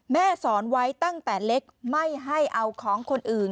แม่สอนไว้ตั้งแต่เล็กไม่ให้เอาของคนอื่น